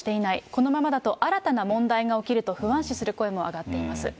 このままだと、新たな問題が起きると不安視する声も上がっています。